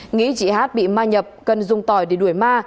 nghĩ chị hát bị ma nhập cần dùng tỏi để đuổi ma